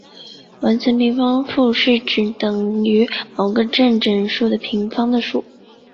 完全平方数是指等于某个正整数的平方的数。